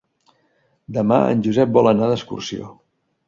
Demà en Josep vol anar d'excursió.